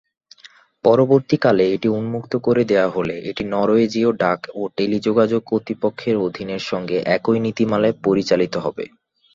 পরবর্তীকালে এটি উন্মুক্ত করে দেওয়া হলে এটি নরওয়েজীয় ডাক ও টেলিযোগাযোগ কর্তৃপক্ষের অধীন -এর সঙ্গে একই নীতিমালায় পরিচালিত হবে।